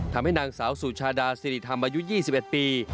ทำให้นางสาวสุชาดาสิริธรรมอายุ๒๑ปี